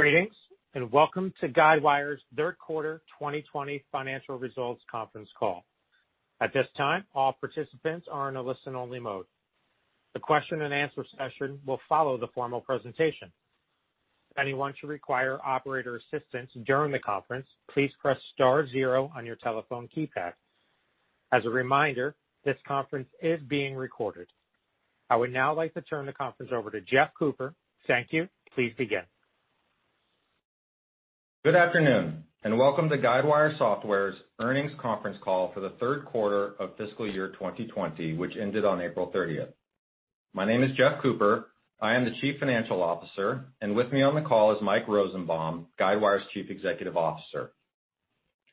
Greetings, and welcome to Guidewire's third quarter 2020 financial results conference call. At this time, all participants are in a listen-only mode. The question-and-answer session will follow the formal presentation. If anyone should require operator assistance during the conference, please press star zero on your telephone keypad. As a reminder, this conference is being recorded. I would now like to turn the conference over to Jeff Cooper. Thank you. Please begin. Good afternoon, and welcome to Guidewire Software's earnings conference call for the third quarter of fiscal year 2020, which ended on April 30th. My name is Jeff Cooper. I am the Chief Financial Officer, and with me on the call is Mike Rosenbaum, Guidewire's Chief Executive Officer.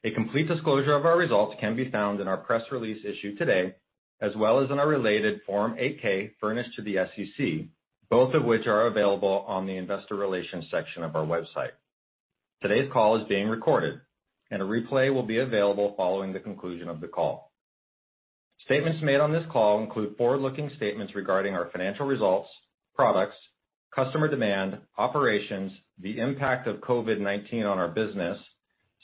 A complete disclosure of our results can be found in our press release issued today, as well as in our related Form 8-K furnished to the SEC, both of which are available on the investor relations section of our website. Today's call is being recorded, and a replay will be available following the conclusion of the call. Statements made on this call include forward-looking statements regarding our financial results, products, customer demand, operations, the impact of COVID-19 on our business,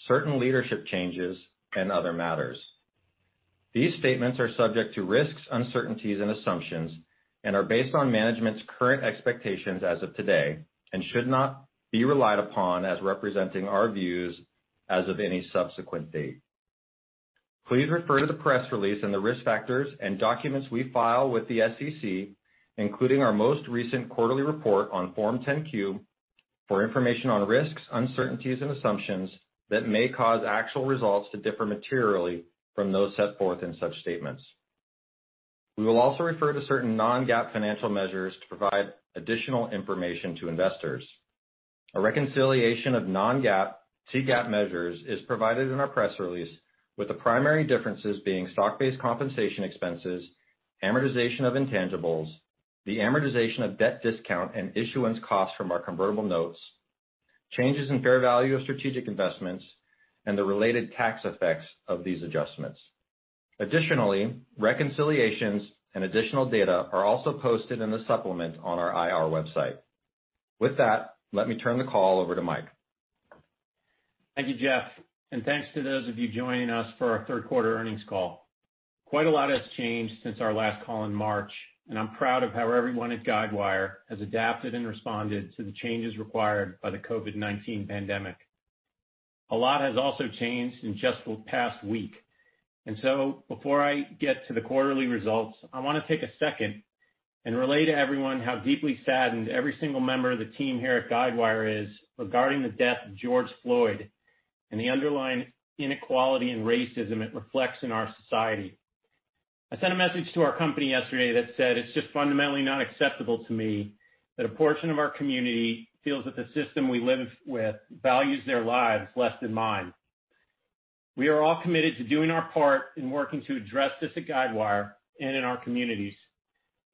certain leadership changes, and other matters. These statements are subject to risks, uncertainties, and assumptions and are based on management's current expectations as of today and should not be relied upon as representing our views as of any subsequent date. Please refer to the press release and the risk factors and documents we file with the SEC, including our most recent quarterly report on Form 10-Q, for information on risks, uncertainties, and assumptions that may cause actual results to differ materially from those set forth in such statements. We will also refer to certain non-GAAP financial measures to provide additional information to investors. A reconciliation of non-GAAP to GAAP measures is provided in our press release, with the primary differences being stock-based compensation expenses, amortization of intangibles, the amortization of debt discount and issuance costs from our convertible notes, changes in fair value of strategic investments, and the related tax effects of these adjustments. Additionally, reconciliations and additional data are also posted in the supplement on our IR website. With that, let me turn the call over to Mike. Thank you, Jeff, and thanks to those of you joining us for our third quarter earnings call. Quite a lot has changed since our last call in March, and I'm proud of how everyone at Guidewire has adapted and responded to the changes required by the COVID-19 pandemic. A lot has also changed in just the past week. Before I get to the quarterly results, I want to take a second and relay to everyone how deeply saddened every single member of the team here at Guidewire is regarding the death of George Floyd and the underlying inequality and racism it reflects in our society. I sent a message to our company yesterday that said, It's just fundamentally not acceptable to me that a portion of our community feels that the system we live with values their lives less than mine. We are all committed to doing our part in working to address this at Guidewire and in our communities,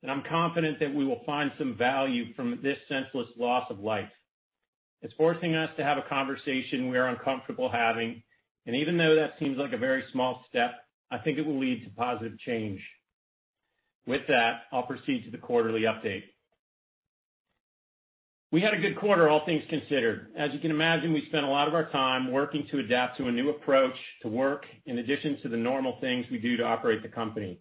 and I'm confident that we will find some value from this senseless loss of life. It's forcing us to have a conversation we are uncomfortable having, and even though that seems like a very small step, I think it will lead to positive change. With that, I'll proceed to the quarterly update. We had a good quarter, all things considered. As you can imagine, we spent a lot of our time working to adapt to a new approach to work in addition to the normal things we do to operate the company.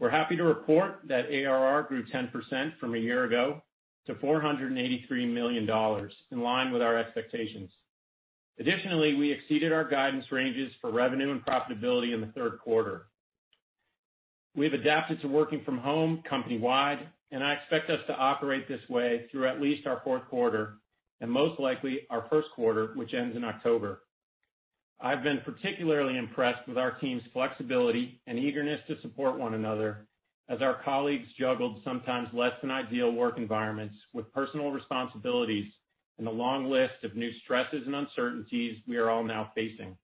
We're happy to report that ARR grew 10% from a year ago to $483 million, in line with our expectations. Additionally, we exceeded our guidance ranges for revenue and profitability in the third quarter. We've adapted to working from home company-wide, and I expect us to operate this way through at least our fourth quarter and most likely our first quarter, which ends in October. I've been particularly impressed with our team's flexibility and eagerness to support one another as our colleagues juggled sometimes less than ideal work environments with personal responsibilities and a long list of new stresses and uncertainties we are all now facing.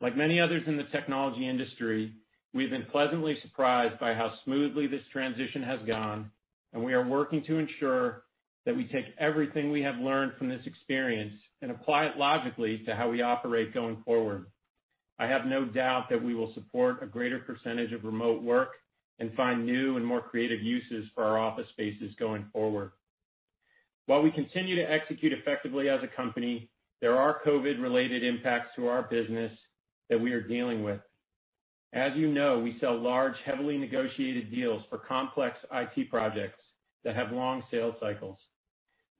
Like many others in the technology industry, we've been pleasantly surprised by how smoothly this transition has gone, and we are working to ensure that we take everything we have learned from this experience and apply it logically to how we operate going forward. I have no doubt that we will support a greater percentage of remote work and find new and more creative uses for our office spaces going forward. While we continue to execute effectively as a company, there are COVID-related impacts to our business that we are dealing with. As you know, we sell large, heavily negotiated deals for complex IT projects that have long sales cycles.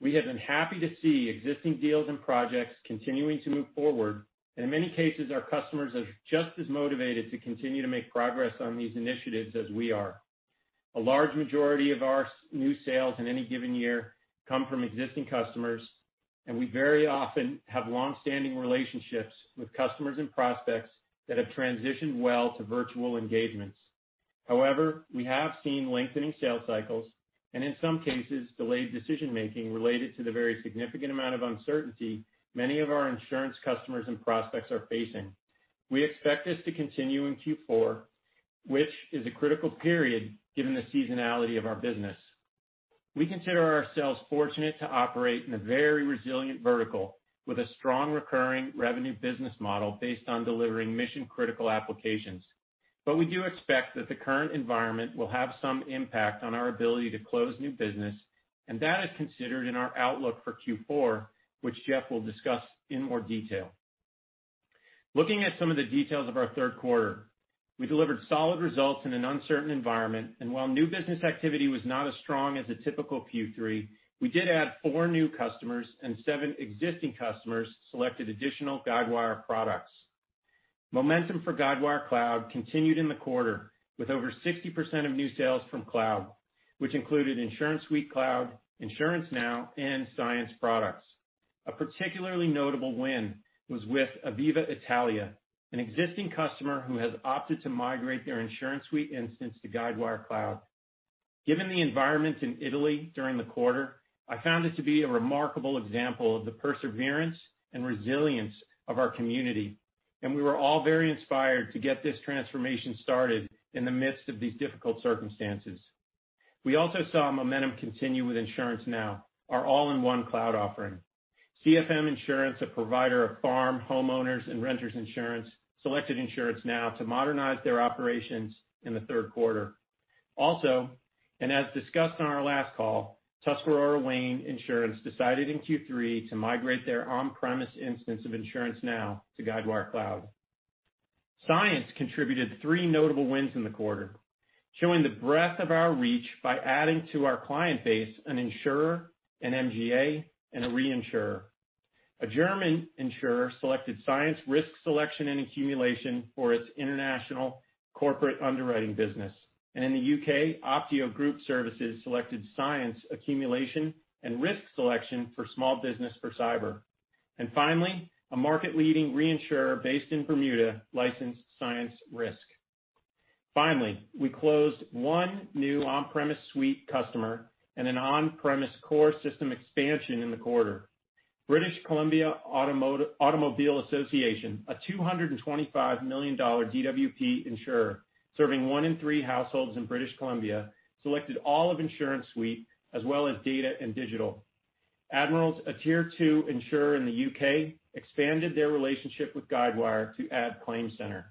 We have been happy to see existing deals and projects continuing to move forward, and in many cases, our customers are just as motivated to continue to make progress on these initiatives as we are. A large majority of our new sales in any given year come from existing customers, and we very often have longstanding relationships with customers and prospects that have transitioned well to virtual engagements. We have seen lengthening sales cycles and, in some cases, delayed decision-making related to the very significant amount of uncertainty many of our insurance customers and prospects are facing. We expect this to continue in Q4, which is a critical period given the seasonality of our business. We consider ourselves fortunate to operate in a very resilient vertical with a strong recurring revenue business model based on delivering mission-critical applications. We do expect that the current environment will have some impact on our ability to close new business, and that is considered in our outlook for Q4, which Jeff will discuss in more detail. Looking at some of the details of our third quarter, we delivered solid results in an uncertain environment, and while new business activity was not as strong as a typical Q3, we did add four new customers and seven existing customers selected additional Guidewire products. Momentum for Guidewire Cloud continued in the quarter, with over 60% of new sales from cloud, which included InsuranceSuite Cloud, InsuranceNow, and Cyence products. A particularly notable win was with Aviva Italia, an existing customer who has opted to migrate their InsuranceSuite instance to Guidewire Cloud. Given the environment in Italy during the quarter, I found it to be a remarkable example of the perseverance and resilience of our community, and we were all very inspired to get this transformation started in the midst of these difficult circumstances. We also saw momentum continue with InsuranceNow, our all-in-one cloud offering. CFM Insurance, a provider of farm, homeowners, and renters insurance, selected InsuranceNow to modernize their operations in the third quarter. Also, as discussed on our last call, Tuscarora Wayne Insurance decided in Q3 to migrate their on-premise instance of InsuranceNow to Guidewire Cloud. Cyence contributed three notable wins in the quarter, showing the breadth of our reach by adding to our client base an insurer, an MGA, and a reinsurer. A German insurer selected Cyence Risk Selection and Accumulation for its international corporate underwriting business. In the U.K., Optio Group Services selected Cyence Accumulation and Risk Selection for small business for cyber. Finally, a market-leading reinsurer based in Bermuda licensed Cyence Risk. Finally, we closed one new on-premise Suite customer and an on-premise core system expansion in the quarter. British Columbia Automobile Association, a $225 million DWP insurer serving one in three households in British Columbia, selected all of InsuranceSuite as well as data and digital. Admiral, a tier 2 insurer in the U.K., expanded their relationship with Guidewire to add ClaimCenter.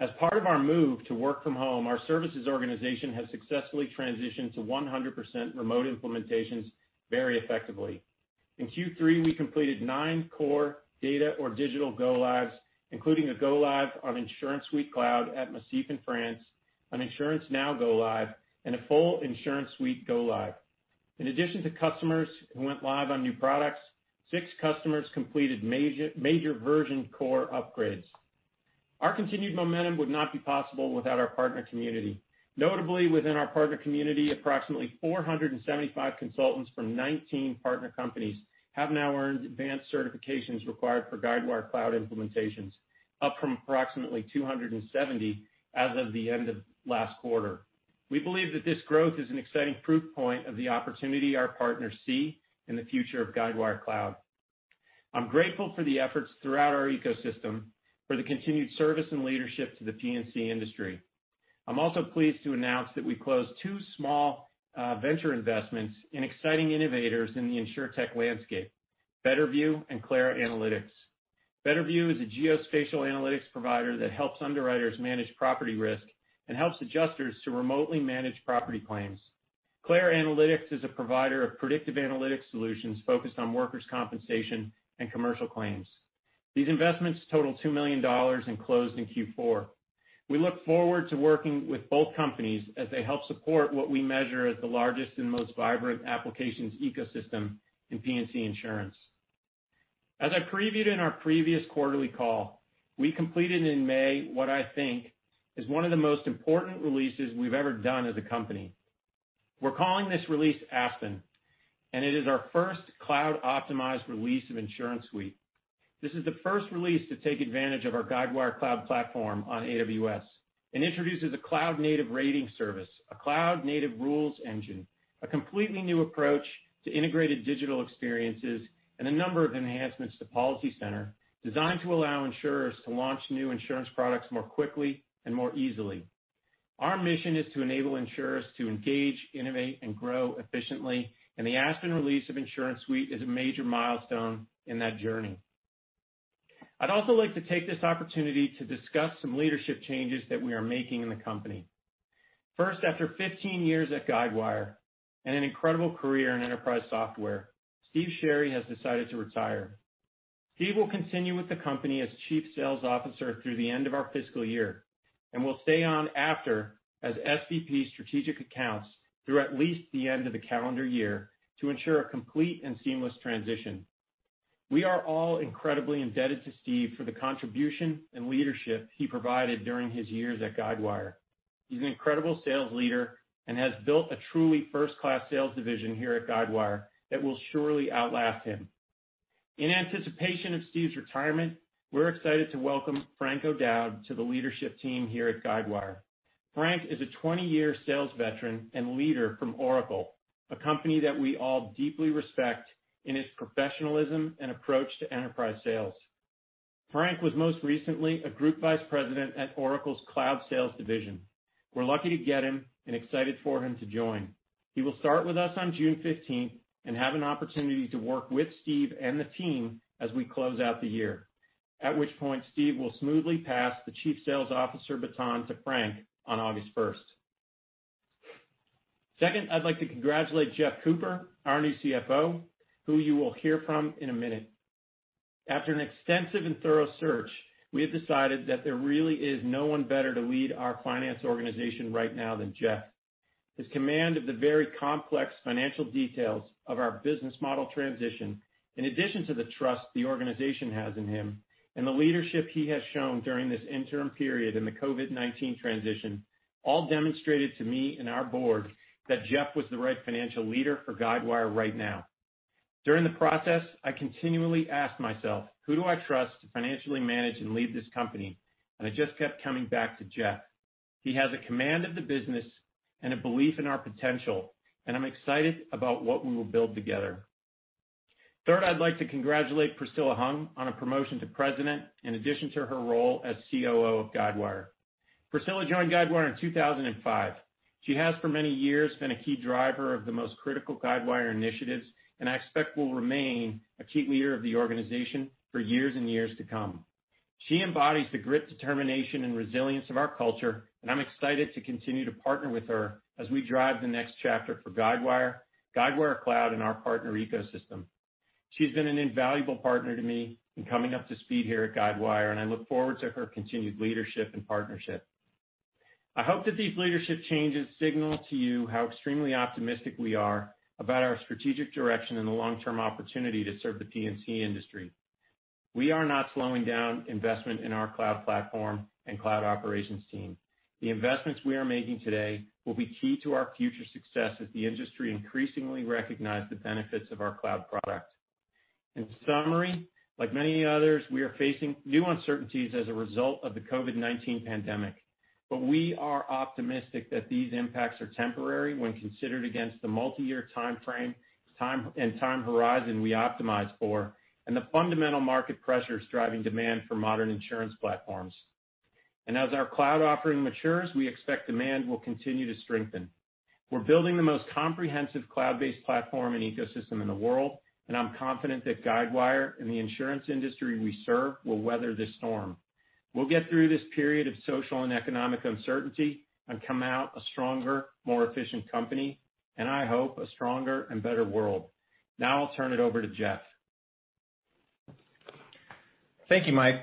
As part of our move to work from home, our services organization has successfully transitioned to 100% remote implementations very effectively. In Q3, we completed nine core data or digital go-lives, including a go-live on InsuranceSuite Cloud at Macif in France, an InsuranceNow go-live, and a full InsuranceSuite go-live. In addition to customers who went live on new products, six customers completed major version core upgrades. Our continued momentum would not be possible without our partner community. Notably within our partner community, approximately 475 consultants from 19 partner companies have now earned advanced certifications required for Guidewire Cloud implementations, up from approximately 270 as of the end of last quarter. We believe that this growth is an exciting proof point of the opportunity our partners see in the future of Guidewire Cloud. I'm grateful for the efforts throughout our ecosystem for the continued service and leadership to the P&C industry. I'm also pleased to announce that we closed two small venture investments in exciting innovators in the insurtech landscape, Betterview and CLARA Analytics. Betterview is a geospatial analytics provider that helps underwriters manage property risk and helps adjusters to remotely manage property claims. CLARA Analytics is a provider of predictive analytics solutions focused on workers' compensation and commercial claims. These investments total $2 million and closed in Q4. We look forward to working with both companies as they help support what we measure as the largest and most vibrant applications ecosystem in P&C insurance. As I previewed in our previous quarterly call, we completed in May what I think is one of the most important releases we've ever done as a company. We're calling this release Aspen. It is our first cloud-optimized release of InsuranceSuite. This is the first release to take advantage of our Guidewire Cloud Platform on AWS and introduces a cloud-native rating service, a cloud-native rules engine, a completely new approach to integrated digital experiences, and a number of enhancements to PolicyCenter designed to allow insurers to launch new insurance products more quickly and more easily. Our mission is to enable insurers to engage, innovate, and grow efficiently, the Aspen release of InsuranceSuite is a major milestone in that journey. I'd also like to take this opportunity to discuss some leadership changes that we are making in the company. First, after 15 years at Guidewire and an incredible career in enterprise software, Steve Sherry has decided to retire. Steve will continue with the company as Chief Sales Officer through the end of our fiscal year and will stay on after as SVP strategic accounts through at least the end of the calendar year to ensure a complete and seamless transition. We are all incredibly indebted to Steve for the contribution and leadership he provided during his years at Guidewire. He's an incredible sales leader and has built a truly first-class sales division here at Guidewire that will surely outlast him. In anticipation of Steve's retirement, we're excited to welcome Frank O'Dowd to the leadership team here at Guidewire. Frank is a 20-year sales veteran and leader from Oracle, a company that we all deeply respect in its professionalism and approach to enterprise sales. Frank was most recently a Group Vice President at Oracle's cloud sales division. We're lucky to get him and excited for him to join. He will start with us on June 15th and have an opportunity to work with Steve and the team as we close out the year, at which point Steve will smoothly pass the Chief Sales Officer baton to Frank on August 1st. Second, I'd like to congratulate Jeff Cooper, our new CFO, who you will hear from in a minute. After an extensive and thorough search, we have decided that there really is no one better to lead our finance organization right now than Jeff. His command of the very complex financial details of our business model transition, in addition to the trust the organization has in him and the leadership he has shown during this interim period in the COVID-19 transition, all demonstrated to me and our board that Jeff was the right financial leader for Guidewire right now. During the process, I continually asked myself, who do I trust to financially manage and lead this company? I just kept coming back to Jeff. He has a command of the business and a belief in our potential, and I'm excited about what we will build together. Third, I'd like to congratulate Priscilla Hung on a promotion to President, in addition to her role as COO of Guidewire. Priscilla joined Guidewire in 2005. She has for many years been a key driver of the most critical Guidewire initiatives, and I expect will remain a key leader of the organization for years and years to come. She embodies the grit, determination, and resilience of our culture, and I'm excited to continue to partner with her as we drive the next chapter for Guidewire Cloud, and our partner ecosystem. She's been an invaluable partner to me in coming up to speed here at Guidewire, and I look forward to her continued leadership and partnership. I hope that these leadership changes signal to you how extremely optimistic we are about our strategic direction and the long-term opportunity to serve the P&C industry. We are not slowing down investment in our cloud platform and cloud operations team. The investments we are making today will be key to our future success as the industry increasingly recognize the benefits of our cloud product. In summary, like many others, we are facing new uncertainties as a result of the COVID-19 pandemic. We are optimistic that these impacts are temporary when considered against the multi-year timeframe, and time horizon we optimize for, and the fundamental market pressures driving demand for modern insurance platforms. As our cloud offering matures, we expect demand will continue to strengthen. We're building the most comprehensive cloud-based platform and ecosystem in the world, and I'm confident that Guidewire and the insurance industry we serve will weather this storm. We'll get through this period of social and economic uncertainty and come out a stronger, more efficient company, and I hope a stronger and better world. Now I'll turn it over to Jeff. Thank you, Mike.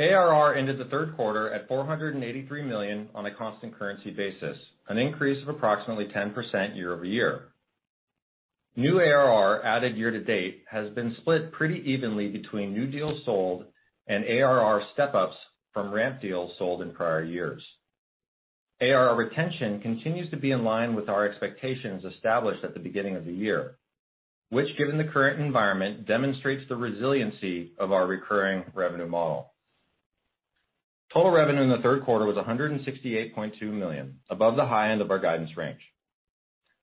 ARR ended the third quarter at $483 million on a constant currency basis, an increase of approximately 10% year-over-year. New ARR added year-to-date has been split pretty evenly between new deals sold and ARR step-ups from ramp deals sold in prior years. ARR retention continues to be in line with our expectations established at the beginning of the year, which, given the current environment, demonstrates the resiliency of our recurring revenue model. Total revenue in the third quarter was $168.2 million, above the high end of our guidance range.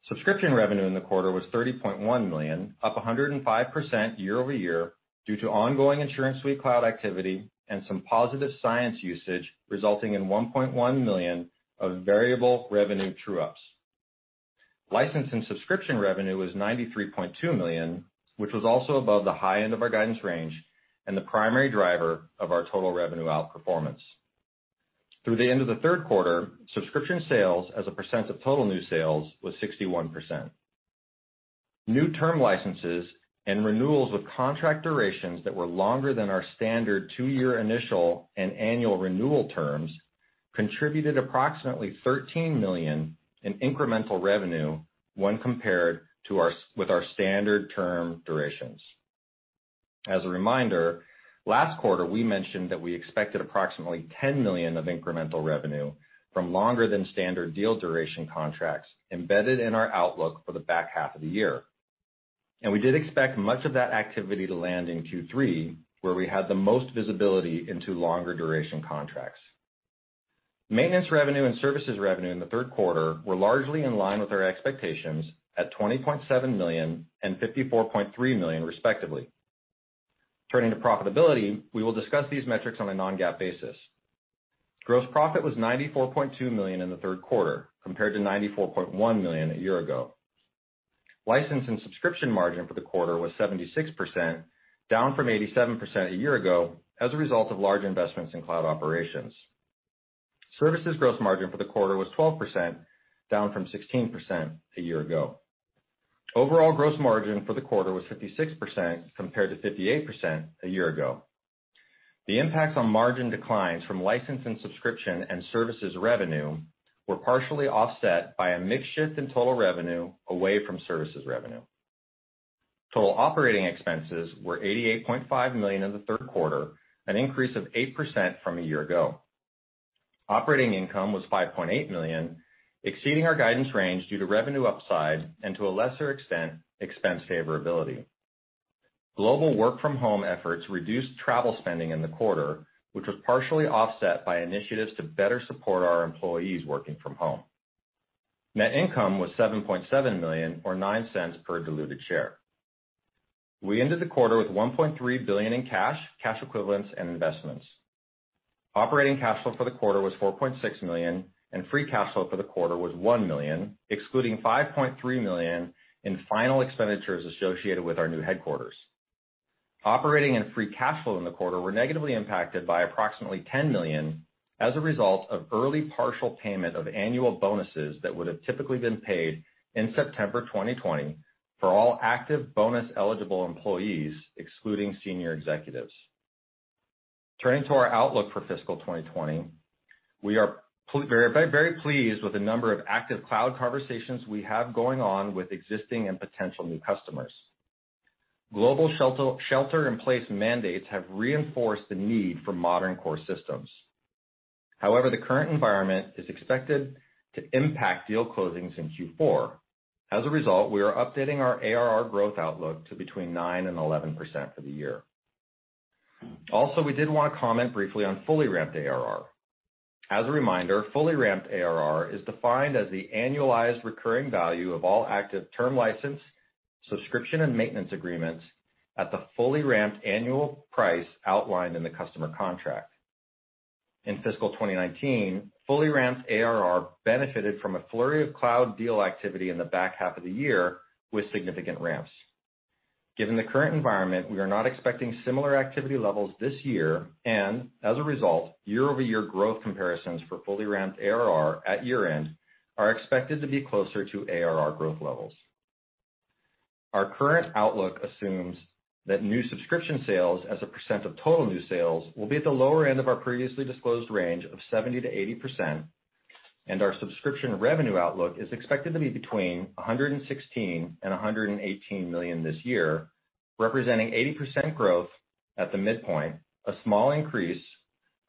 Subscription revenue in the quarter was $30.1 million, up 105% year-over-year due to ongoing InsuranceSuite Cloud activity and some positive Cyence usage, resulting in $1.1 million of variable revenue true-ups. License and subscription revenue was $93.2 million, which was also above the high end of our guidance range and the primary driver of our total revenue outperformance. Through the end of the third quarter, subscription sales as a percent of total new sales was 61%. New term licenses and renewals with contract durations that were longer than our standard two-year initial and annual renewal terms contributed approximately $13 million in incremental revenue when compared with our standard term durations. As a reminder, last quarter we mentioned that we expected approximately $10 million of incremental revenue from longer than standard deal duration contracts embedded in our outlook for the back half of the year. We did expect much of that activity to land in Q3, where we had the most visibility into longer duration contracts. Maintenance revenue and services revenue in the third quarter were largely in line with our expectations at $20.7 million and $54.3 million, respectively. Turning to profitability, we will discuss these metrics on a non-GAAP basis. Gross profit was $94.2 million in the third quarter, compared to $94.1 million a year ago. License and subscription margin for the quarter was 76%, down from 87% a year ago as a result of large investments in cloud operations. Services gross margin for the quarter was 12%, down from 16% a year ago. Overall gross margin for the quarter was 56% compared to 58% a year ago. The impacts on margin declines from license and subscription and services revenue were partially offset by a mix shift in total revenue away from services revenue. Total operating expenses were $88.5 million in the third quarter, an increase of 8% from a year ago. Operating income was $5.8 million, exceeding our guidance range due to revenue upside and, to a lesser extent, expense favorability. Global work-from-home efforts reduced travel spending in the quarter, which was partially offset by initiatives to better support our employees working from home. Net income was $7.7 million or $0.09 per diluted share. We ended the quarter with $1.3 billion in cash equivalents, and investments. Operating cash flow for the quarter was $4.6 million, and free cash flow for the quarter was $1 million, excluding $5.3 million in final expenditures associated with our new headquarters. Operating and free cash flow in the quarter were negatively impacted by approximately $10 million as a result of early partial payment of annual bonuses that would've typically been paid in September 2020 for all active bonus-eligible employees, excluding senior executives. Turning to our outlook for fiscal 2020, we are very pleased with the number of active Cloud conversations we have going on with existing and potential new customers. Global shelter-in-place mandates have reinforced the need for modern core systems. The current environment is expected to impact deal closings in Q4. We are updating our ARR growth outlook to between 9% and 11% for the year. We did want to comment briefly on fully ramped ARR. As a reminder, fully ramped ARR is defined as the annualized recurring value of all active term license, subscription, and maintenance agreements at the fully ramped annual price outlined in the customer contract. In fiscal 2019, fully ramped ARR benefited from a flurry of cloud deal activity in the back half of the year with significant ramps. Given the current environment, we are not expecting similar activity levels this year and, as a result, year-over-year growth comparisons for fully ramped ARR at year-end are expected to be closer to ARR growth levels. Our current outlook assumes that new subscription sales as a percent of total new sales will be at the lower end of our previously disclosed range of 70%-80%, and our subscription revenue outlook is expected to be between $116 million and $118 million this year, representing 80% growth at the midpoint, a small increase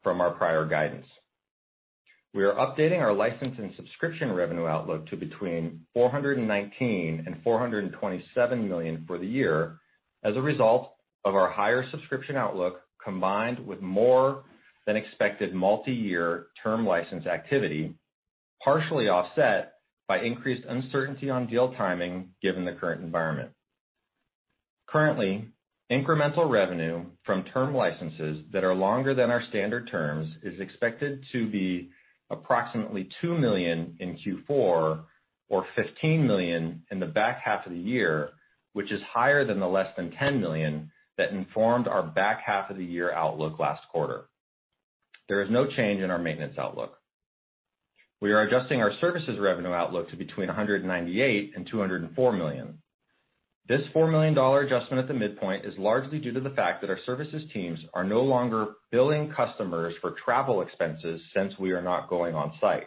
from our prior guidance. We are updating our license and subscription revenue outlook to between $419 million and $427 million for the year as a result of our higher subscription outlook, combined with more than expected multi-year term license activity, partially offset by increased uncertainty on deal timing given the current environment. Currently, incremental revenue from term licenses that are longer than our standard terms is expected to be approximately $2 million in Q4 or $15 million in the back half of the year, which is higher than the less than $10 million that informed our back half of the year outlook last quarter. There is no change in our maintenance outlook. We are adjusting our services revenue outlook to between $198 million and $204 million. This $4 million adjustment at the midpoint is largely due to the fact that our services teams are no longer billing customers for travel expenses since we are not going on site.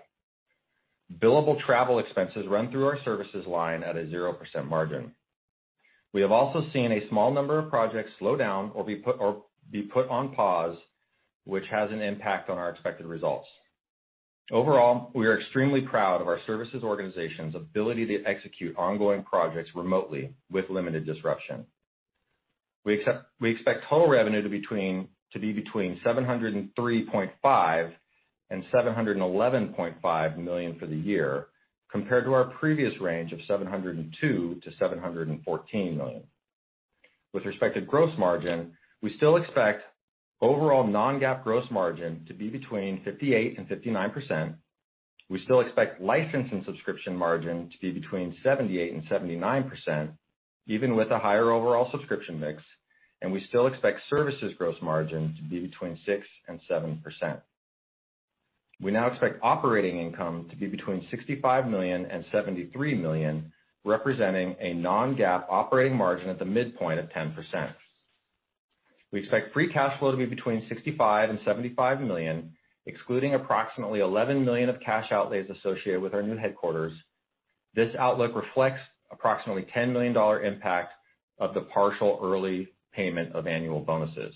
Billable travel expenses run through our services line at a 0% margin. We have also seen a small number of projects slow down or be put on pause, which has an impact on our expected results. Overall, we are extremely proud of our services organization's ability to execute ongoing projects remotely with limited disruption. We expect total revenue to be between $703.5 million and $711.5 million for the year, compared to our previous range of $702 million-$714 million. With respect to gross margin, we still expect overall non-GAAP gross margin to be between 58% and 59%. We still expect license and subscription margin to be between 78% and 79%, even with a higher overall subscription mix, and we still expect services gross margin to be between 6% and 7%. We now expect operating income to be between $65 million and $73 million, representing a non-GAAP operating margin at the midpoint of 10%. We expect free cash flow to be between $65 million and $75 million, excluding approximately $11 million of cash outlays associated with our new headquarters. This outlook reflects approximately $10 million impact of the partial early payment of annual bonuses.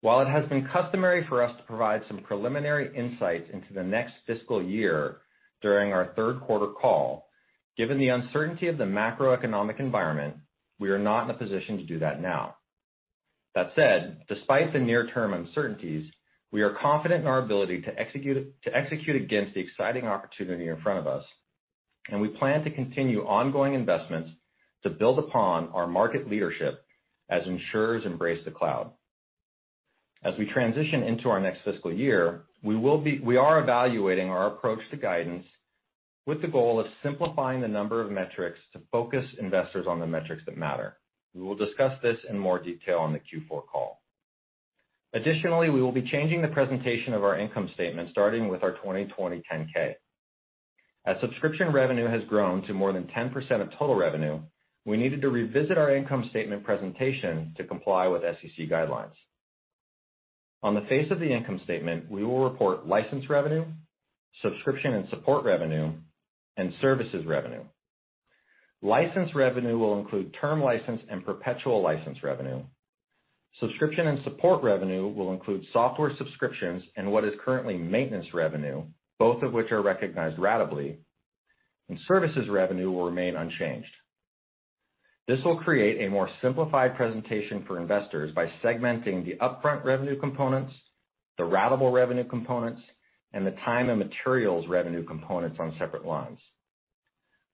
While it has been customary for us to provide some preliminary insights into the next fiscal year during our third quarter call, given the uncertainty of the macroeconomic environment, we are not in a position to do that now. Despite the near-term uncertainties, we are confident in our ability to execute against the exciting opportunity in front of us, and we plan to continue ongoing investments to build upon our market leadership as insurers embrace the Cloud. As we transition into our next fiscal year, we are evaluating our approach to guidance with the goal of simplifying the number of metrics to focus investors on the metrics that matter. We will discuss this in more detail on the Q4 call. Additionally, we will be changing the presentation of our income statement starting with our 2020 10-K. As subscription revenue has grown to more than 10% of total revenue, we needed to revisit our income statement presentation to comply with SEC guidelines. On the face of the income statement, we will report License revenue, Subscription and support revenue, and Services revenue. License revenue will include term license and perpetual license revenue. Subscription and support revenue will include software subscriptions and what is currently maintenance revenue, both of which are recognized ratably. Services revenue will remain unchanged. This will create a more simplified presentation for investors by segmenting the upfront revenue components, the ratable revenue components and the time and materials revenue components on separate lines.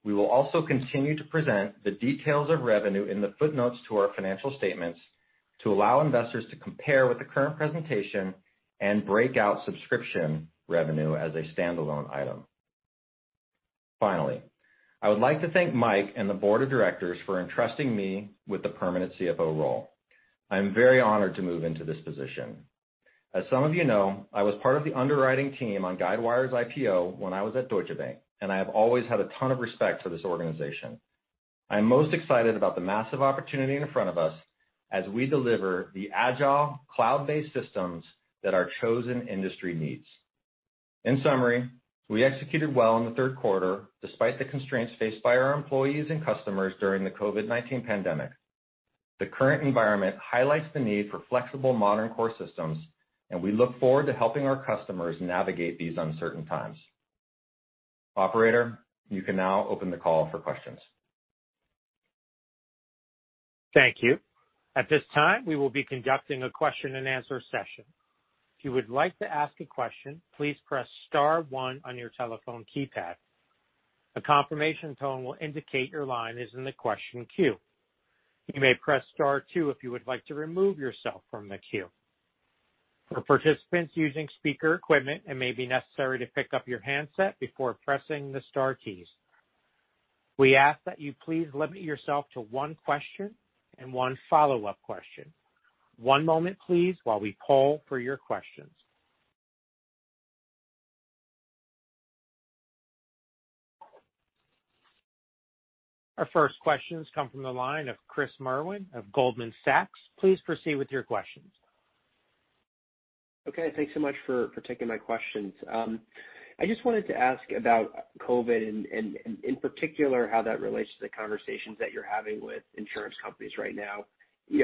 We will also continue to present the details of revenue in the footnotes to our financial statements to allow investors to compare with the current presentation and break out subscription revenue as a standalone item. Finally, I would like to thank Mike and the board of directors for entrusting me with the permanent CFO role. I'm very honored to move into this position. As some of you know, I was part of the underwriting team on Guidewire's IPO when I was at Deutsche Bank, and I have always had a ton of respect for this organization. I'm most excited about the massive opportunity in front of us as we deliver the agile cloud-based systems that our chosen industry needs. In summary, we executed well in the third quarter despite the constraints faced by our employees and customers during the COVID-19 pandemic. The current environment highlights the need for flexible modern core systems. We look forward to helping our customers navigate these uncertain times. Operator, you can now open the call for questions. Thank you. At this time, we will be conducting a question and answer session. If you would like to ask a question, please press star one on your telephone keypad. A confirmation tone will indicate your line is in the question queue. You may press star two if you would like to remove yourself from the queue. For participants using speaker equipment, it may be necessary to pick up your handset before pressing the star keys. We ask that you please limit yourself to one question and one follow-up question. One moment, please, while we poll for your questions. Our first questions come from the line of Chris Merwin of Goldman Sachs. Please proceed with your questions. Okay. Thanks so much for taking my questions. I just wanted to ask about COVID and in particular, how that relates to the conversations that you're having with insurance companies right now.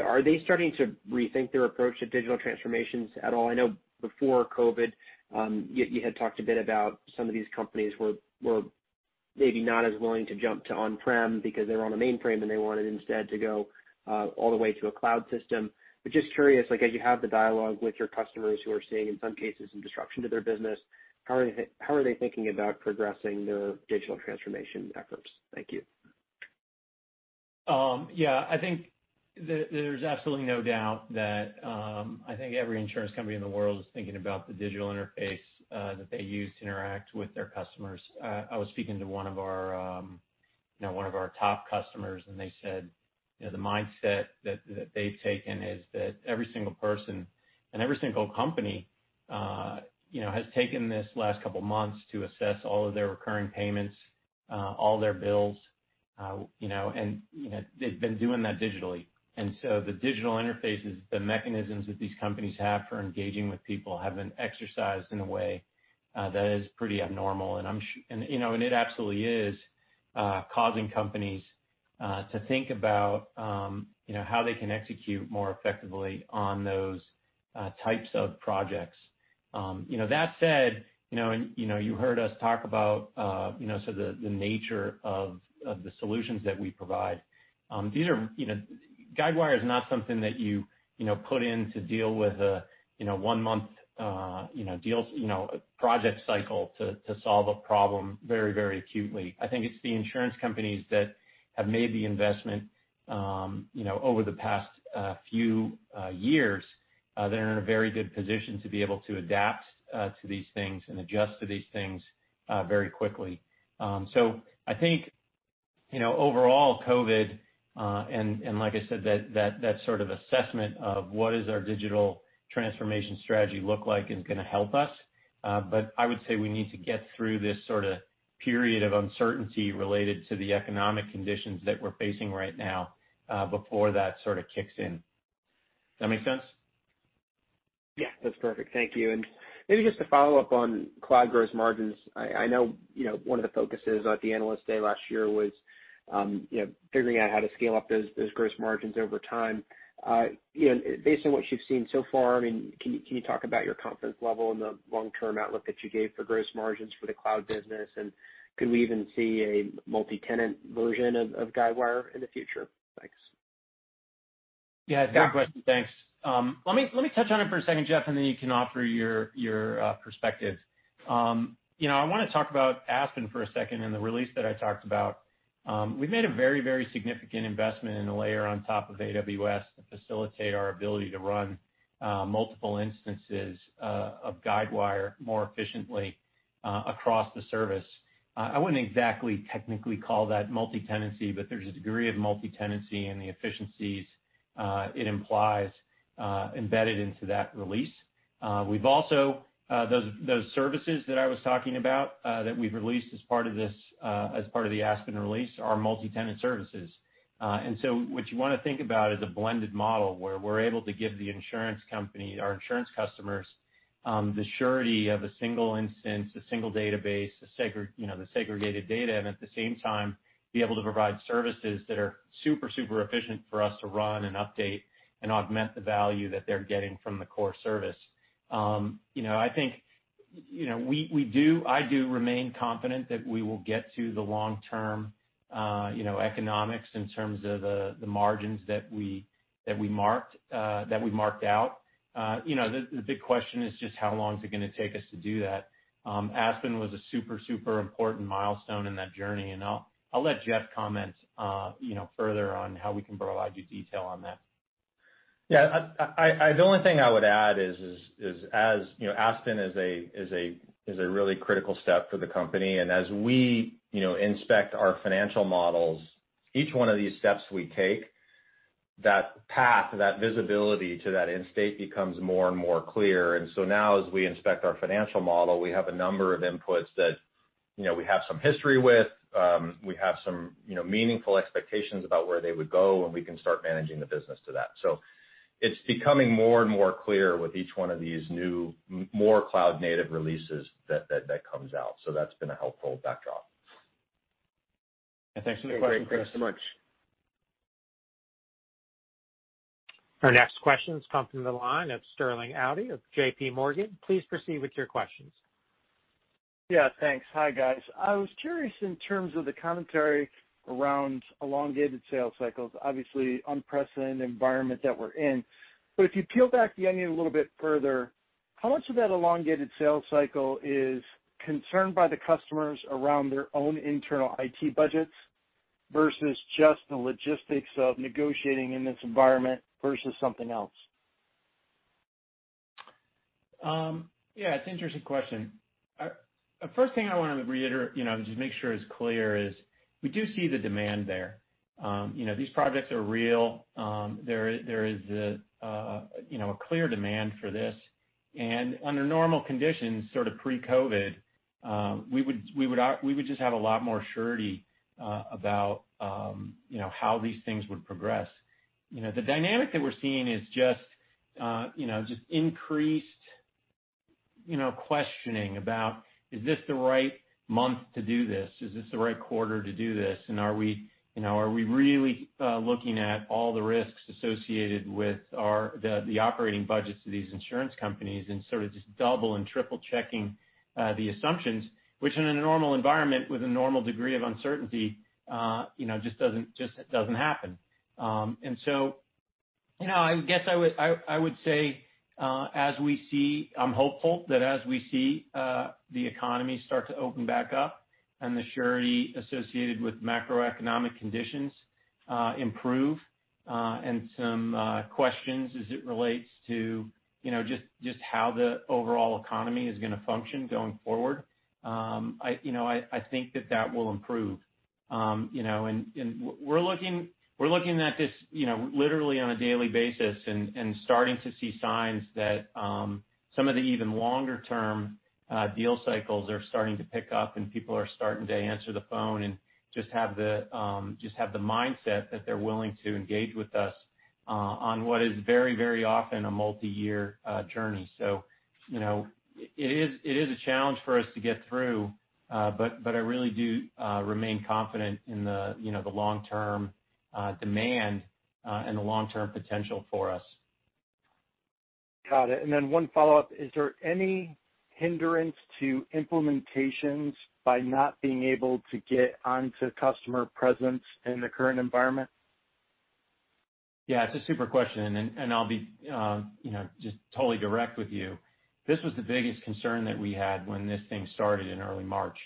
Are they starting to rethink their approach to digital transformations at all? I know before COVID, you had talked a bit about some of these companies were maybe not as willing to jump to on-prem because they're on a mainframe, and they wanted instead to go all the way to a cloud system. Just curious, as you have the dialogue with your customers who are seeing, in some cases, some disruption to their business, how are they thinking about progressing their digital transformation efforts? Thank you. Yeah. I think there's absolutely no doubt that every insurance company in the world is thinking about the digital interface that they use to interact with their customers. I was speaking to one of our top customers, and they said the mindset that they've taken is that every single person and every single company has taken this last couple of months to assess all of their recurring payments, all their bills, and they've been doing that digitally. The digital interfaces, the mechanisms that these companies have for engaging with people have been exercised in a way that is pretty abnormal. It absolutely is causing companies to think about how they can execute more effectively on those types of projects. That said, you heard us talk about the nature of the solutions that we provide. Guidewire is not something that you put in to deal with a one-month project cycle to solve a problem very acutely. I think it's the insurance companies that have made the investment over the past few years. They're in a very good position to be able to adapt to these things and adjust to these things very quickly. I think overall COVID, and like I said, that sort of assessment of what does our digital transformation strategy look like is going to help us. I would say we need to get through this sort of period of uncertainty related to the economic conditions that we're facing right now before that sort of kicks in. Does that make sense? Yeah. That's perfect. Thank you. Maybe just to follow up on cloud gross margins. I know one of the focuses at the Analyst Day last year was figuring out how to scale up those gross margins over time. Based on what you've seen so far, can you talk about your confidence level and the long-term outlook that you gave for gross margins for the cloud business? Could we even see a multi-tenant version of Guidewire in the future? Thanks. Yeah. Good question. Thanks. Let me touch on it for a second, Jeff, and then you can offer your perspective. I want to talk about Aspen for a second and the release that I talked about. We've made a very significant investment in a layer on top of AWS to facilitate our ability to run multiple instances of Guidewire more efficiently across the service. I wouldn't exactly technically call that multi-tenancy, but there's a degree of multi-tenancy and the efficiencies it implies embedded into that release. Those services that I was talking about that we've released as part of the Aspen release are multi-tenant services. What you want to think about is a blended model where we're able to give the insurance company, our insurance customers, the surety of a single instance, a single database, the segregated data, and at the same time, be able to provide services that are super efficient for us to run and update and augment the value that they're getting from the core service. I do remain confident that we will get to the long-term economics in terms of the margins that we marked out. The big question is just how long is it going to take us to do that? Aspen was a super important milestone in that journey. I'll let Jeff comment further on how we can provide you detail on that. Yeah. The only thing I would add is, Aspen is a really critical step for the company. As we inspect our financial models, each one of these steps we take, that path, that visibility to that end state becomes more and more clear. Now as we inspect our financial model, we have a number of inputs that we have some history with, we have some meaningful expectations about where they would go, and we can start managing the business to that. It's becoming more and more clear with each one of these new, more cloud-native releases that comes out. That's been a helpful backdrop. Thanks for the question, Chris. Great. Thanks so much. Our next question comes from the line of Sterling Auty of JPMorgan. Please proceed with your questions. Yeah, thanks. Hi, guys. I was curious in terms of the commentary around elongated sales cycles, obviously unprecedented environment that we're in. If you peel back the onion a little bit further, how much of that elongated sales cycle is concerned by the customers around their own internal IT budgets versus just the logistics of negotiating in this environment versus something else? Yeah, it's an interesting question. First thing I want to reiterate, just make sure is clear, is we do see the demand there. These projects are real. There is a clear demand for this. Under normal conditions, sort of pre-COVID, we would just have a lot more surety about how these things would progress. The dynamic that we're seeing is just increased questioning about, Is this the right month to do this? Is this the right quarter to do this? Are we really looking at all the risks associated with the operating budgets of these insurance companies and sort of just double and triple-checking the assumptions, which in a normal environment with a normal degree of uncertainty just doesn't happen. I guess I would say I'm hopeful that as we see the economy start to open back up and the surety associated with macroeconomic conditions improve and some questions as it relates to just how the overall economy is going to function going forward, I think that that will improve. We're looking at this literally on a daily basis and starting to see signs that some of the even longer-term deal cycles are starting to pick up and people are starting to answer the phone and just have the mindset that they're willing to engage with us on what is very often a multi-year journey. It is a challenge for us to get through, but I really do remain confident in the long-term demand and the long-term potential for us. Got it. One follow-up. Is there any hindrance to implementations by not being able to get onto customer presence in the current environment? Yeah, it's a super question. I'll be just totally direct with you. This was the biggest concern that we had when this thing started in early March,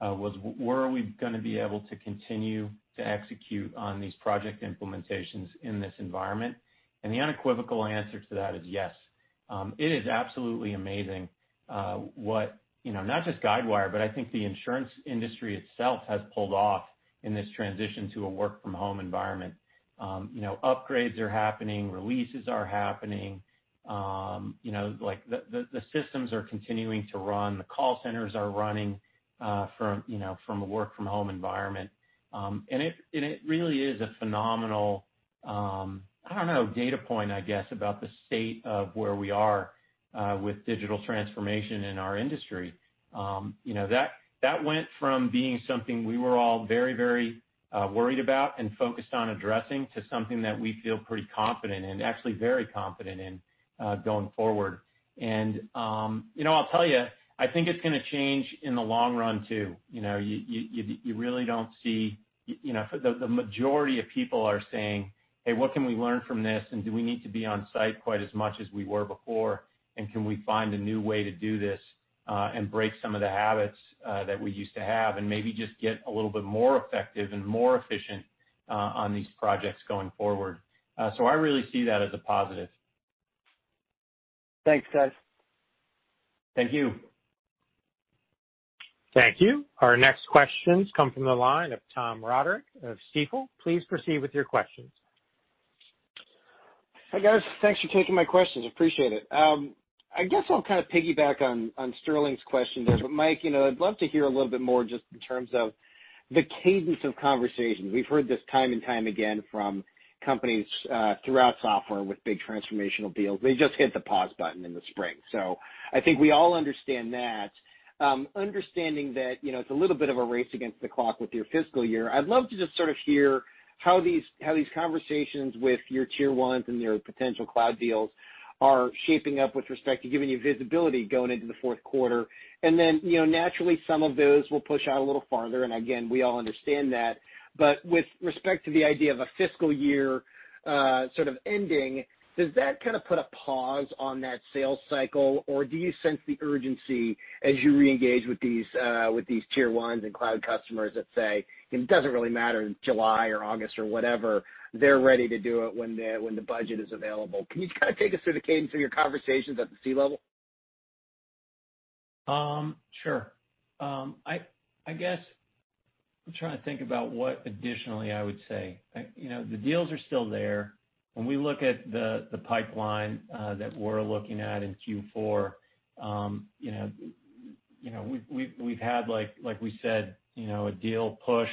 was were we going to be able to continue to execute on these project implementations in this environment? The unequivocal answer to that is yes. It is absolutely amazing what, not just Guidewire, but I think the insurance industry itself has pulled off in this transition to a work-from-home environment. Upgrades are happening, releases are happening. The systems are continuing to run. The call centers are running from a work-from-home environment. It really is a phenomenal, I don't know, data point, I guess, about the state of where we are with digital transformation in our industry. That went from being something we were all very worried about and focused on addressing to something that we feel pretty confident in, actually very confident in going forward. I'll tell you, I think it's going to change in the long run, too. The majority of people are saying, Hey, what can we learn from this? Do we need to be on-site quite as much as we were before? Can we find a new way to do this and break some of the habits that we used to have and maybe just get a little bit more effective and more efficient on these projects going forward? I really see that as a positive. Thanks, guys. Thank you. Thank you. Our next questions come from the line of Tom Roderick of Stifel. Please proceed with your questions. Hi, guys. Thanks for taking my questions. Appreciate it. Mike, I'd love to hear a little bit more just in terms of the cadence of conversations. We've heard this time and time again from companies throughout software with big transformational deals. They just hit the pause button in the spring. I think we all understand that. Understanding that it's a little bit of a race against the clock with your fiscal year, I'd love to just sort of hear how these conversations with your tier 1s and your potential cloud deals are shaping up with respect to giving you visibility going into the fourth quarter. Naturally, some of those will push out a little farther, and again, we all understand that. With respect to the idea of a fiscal year sort of ending, does that kind of put a pause on that sales cycle, or do you sense the urgency as you reengage with these Tier 1s and cloud customers that say, it doesn't really matter July or August or whatever, they're ready to do it when the budget is available. Can you kind of take us through the cadence of your conversations at the C-level? Sure. I guess I'm trying to think about what additionally I would say. The deals are still there. When we look at the pipeline that we're looking at in Q4, we've had, like we said, a deal pushed,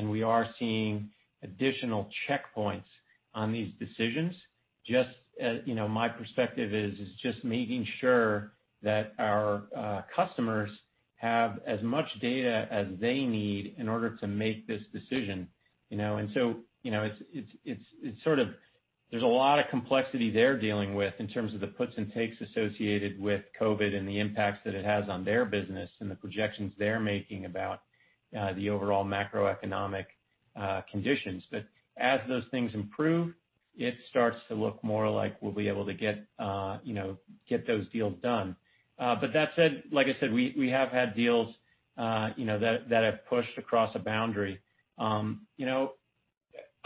we are seeing additional checkpoints on these decisions. My perspective is just making sure that our customers have as much data as they need in order to make this decision. There's a lot of complexity they're dealing with in terms of the puts and takes associated with COVID and the impacts that it has on their business and the projections they're making about the overall macroeconomic conditions. As those things improve, it starts to look more like we'll be able to get those deals done. That said, like I said, we have had deals that have pushed across a boundary.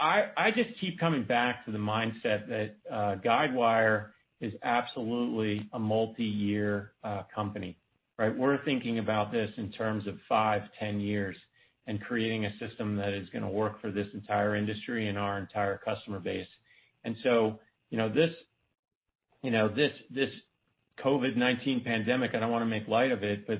I just keep coming back to the mindset that Guidewire is absolutely a multiyear company, right? We're thinking about this in terms of five, 10 years, and creating a system that is going to work for this entire industry and our entire customer base. This COVID-19 pandemic, I don't want to make light of it, but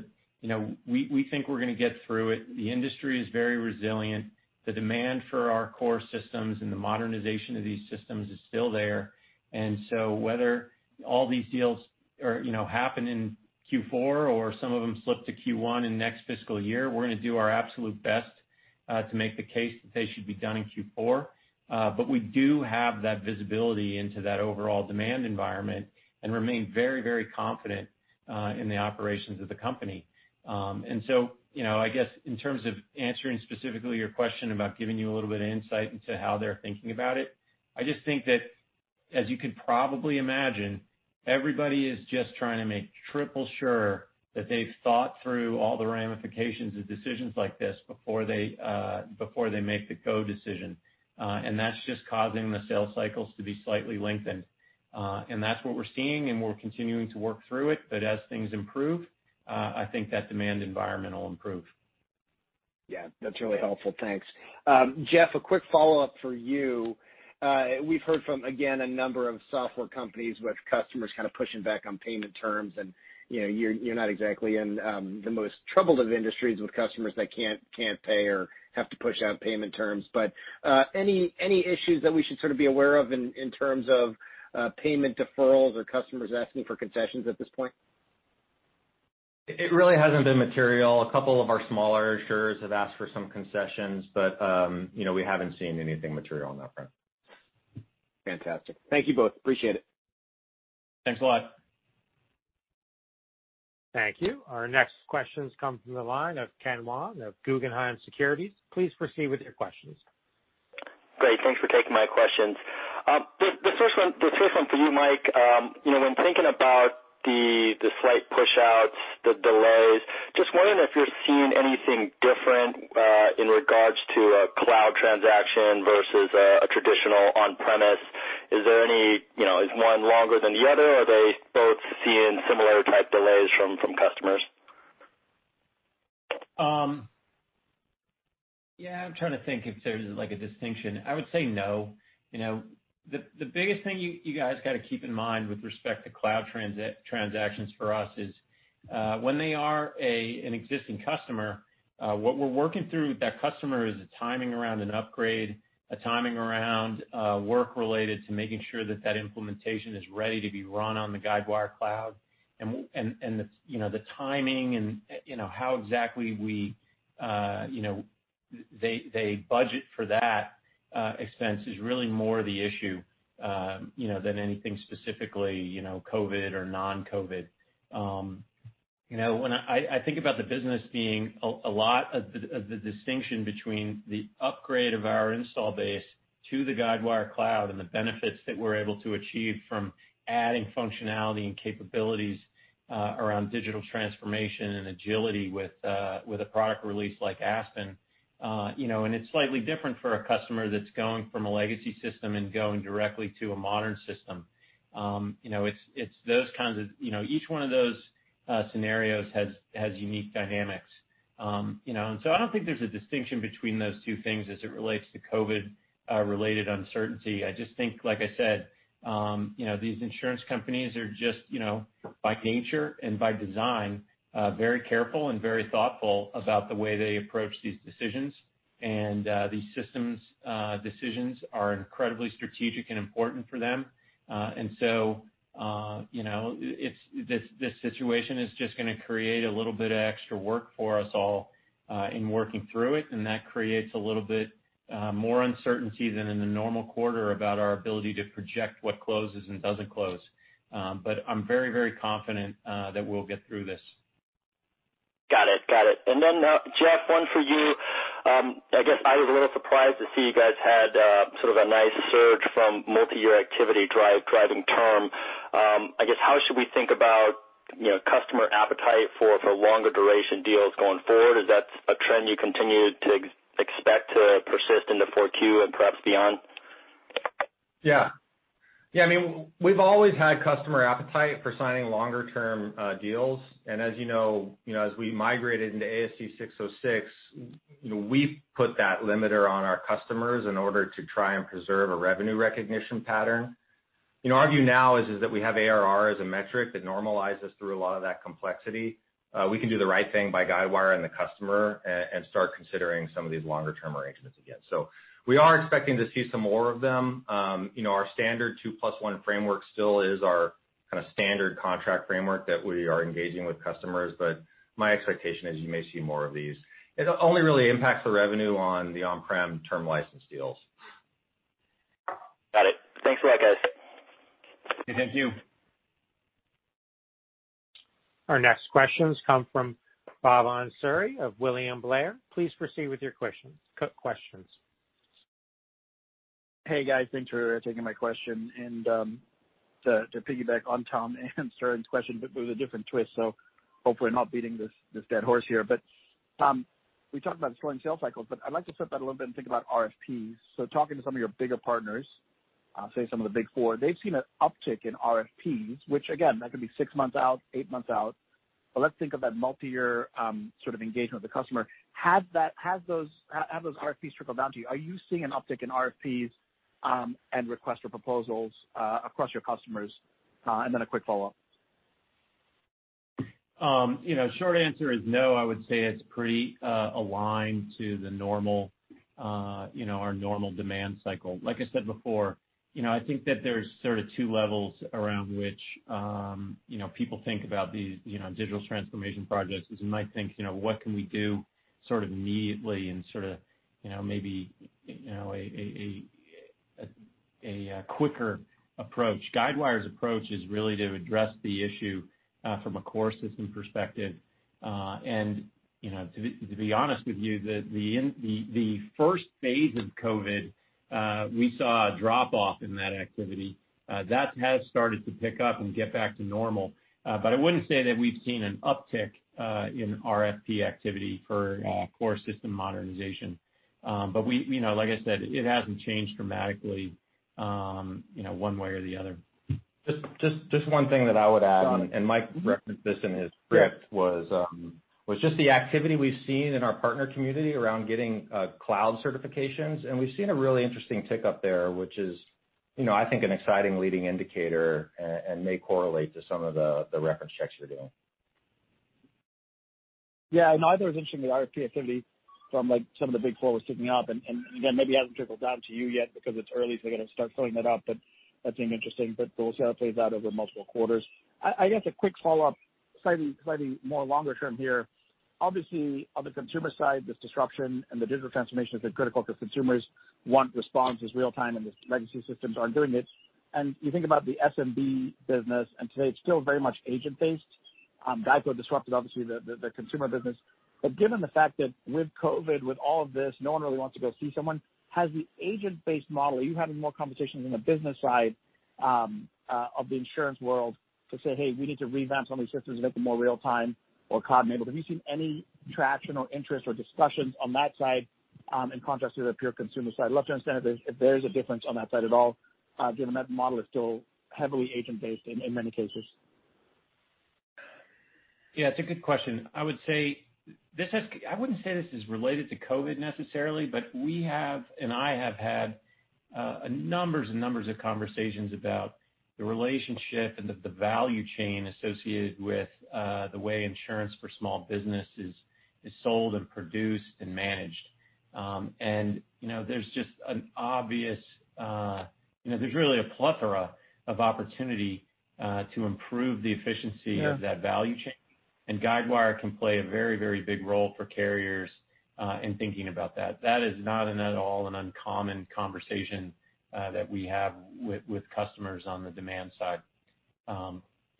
we think we're going to get through it. The industry is very resilient. The demand for our core systems and the modernization of these systems is still there. Whether all these deals happen in Q4 or some of them slip to Q1 and next fiscal year, we're going to do our absolute best to make the case that they should be done in Q4. We do have that visibility into that overall demand environment and remain very confident in the operations of the company. I guess in terms of answering specifically your question about giving you a little bit of insight into how they're thinking about it, I just think that as you can probably imagine, everybody is just trying to make triple sure that they've thought through all the ramifications of decisions like this before they make the go decision. That's just causing the sales cycles to be slightly lengthened. That's what we're seeing, and we're continuing to work through it. As things improve, I think that demand environment will improve. Yeah, that's really helpful. Thanks. Jeff, a quick follow-up for you. We've heard from, again, a number of software companies with customers kind of pushing back on payment terms, and you're not exactly in the most troubled of industries with customers that can't pay or have to push out payment terms. Any issues that we should sort of be aware of in terms of payment deferrals or customers asking for concessions at this point? It really hasn't been material. A couple of our smaller insurers have asked for some concessions, but we haven't seen anything material on that front. Fantastic. Thank you both. Appreciate it. Thanks a lot. Thank you. Our next questions come from the line of Ken Wong of Guggenheim Securities. Please proceed with your questions. Great, thanks for taking my questions. The first one for you, Mike. When thinking about the slight push-outs, the delays, just wondering if you're seeing anything different in regards to a cloud transaction versus a traditional on-premise? Is one longer than the other, or are they both seeing similar type delays from customers? Yeah, I'm trying to think if there's a distinction. I would say no. The biggest thing you guys got to keep in mind with respect to cloud transactions for us is when they are an existing customer, what we're working through with that customer is a timing around an upgrade, a timing around work related to making sure that that implementation is ready to be run on the Guidewire Cloud. The timing and how exactly they budget for that expense is really more the issue than anything specifically COVID or non-COVID. When I think about the business being a lot of the distinction between the upgrade of our install base to the Guidewire Cloud and the benefits that we're able to achieve from adding functionality and capabilities around digital transformation and agility with a product release like Aspen. It's slightly different for a customer that's going from a legacy system and going directly to a modern system. Each one of those scenarios has unique dynamics. I don't think there's a distinction between those two things as it relates to COVID-related uncertainty. I just think, like I said, these insurance companies are just by nature and by design very careful and very thoughtful about the way they approach these decisionsAnd these systems decisions are incredibly strategic and important for them. This situation is just going to create a little bit of extra work for us all in working through it, and that creates a little bit more uncertainty than in the normal quarter about our ability to project what closes and doesn't close. I'm very confident that we'll get through this. Got it. Jeff, one for you. I guess I was a little surprised to see you guys had sort of a nice surge from multi-year activity driving term. I guess, how should we think about customer appetite for longer duration deals going forward? Is that a trend you continue to expect to persist into 4Q and perhaps beyond? Yeah. We've always had customer appetite for signing longer-term deals. As you know, as we migrated into ASC 606, we put that limiter on our customers in order to try and preserve a revenue recognition pattern. Our view now is that we have ARR as a metric that normalizes through a lot of that complexity. We can do the right thing by Guidewire and the customer and start considering some of these longer-term arrangements again. We are expecting to see some more of them. It'll only really impact the revenue on the on-prem term license deals. Got it. Thanks for that, guys. Thank you. Our next questions come from Bhavan Suri of William Blair. Please proceed with your questions. Hey, guys. Thanks for taking my question. To piggyback on Tom and Sterling Auty's question, with a different twist, hopefully not beating this dead horse here. Tom, we talked about slowing sales cycles, I'd like to flip that a little bit and think about RFPs. Talking to some of your bigger partners, I'll say some of the Big Four, they've seen an uptick in RFPs, which again, that could be six months out, eight months out. Let's think of that multi-year sort of engagement with the customer. Have those RFPs trickled down to you? Are you seeing an uptick in RFPs and requests for proposals across your customers? A quick follow-up. Short answer is no. I would say it's pretty aligned to our normal demand cycle. Like I said before, I think that there's sort of two levels around which people think about these digital transformation projects is you might think, what can we do sort of immediately and sort of maybe a quicker approach. Guidewire's approach is really to address the issue from a core system perspective. To be honest with you, the first phase of COVID, we saw a drop-off in that activity. That has started to pick up and get back to normal. I wouldn't say that we've seen an uptick in RFP activity for core system modernization. Like I said, it hasn't changed dramatically one way or the other. Just one thing that I would add. John Mike referenced this in his script. Yeah was just the activity we've seen in our partner community around getting cloud certifications. We've seen a really interesting tick up there, which is I think an exciting leading indicator and may correlate to some of the reference checks you're doing. Yeah. I thought it was interesting, the RFP activity from some of the Big Four was ticking up. Maybe it hasn't trickled down to you yet because it's early to kind of start filling that up, but that seemed interesting. We'll see how it plays out over multiple quarters. I guess a quick follow-up, slightly more longer term here. Obviously, on the consumer side, this disruption and the digital transformation has been critical because consumers want responses real time, and the legacy systems aren't doing it. You think about the SMB business, and today it's still very much agent-based. GEICO disrupted, obviously, the consumer business. Given the fact that with COVID, with all of this, no one really wants to go see someone, are you having more conversations on the business side of the insurance world to say, Hey, we need to revamp some of these systems and make them more real time or cloud-enabled? Have you seen any traction or interest or discussions on that side in contrast to the pure consumer side? Love to understand if there is a difference on that side at all, given that model is still heavily agent-based in many cases. Yeah, it's a good question. I wouldn't say this is related to COVID necessarily, but we have, and I have had numbers and numbers of conversations about the relationship and the value chain associated with the way insurance for small business is sold and produced and managed. There's really a plethora of opportunity to improve the efficiency. Yeah of that value chain. Guidewire can play a very big role for carriers in thinking about that. That is not at all an uncommon conversation that we have with customers on the demand side.